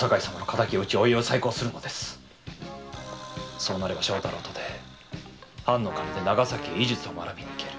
そうなれば正太郎とて藩の金で長崎へ医術を学びに行ける。